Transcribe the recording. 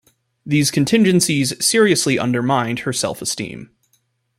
These contingencies seriously undermined her self-esteem.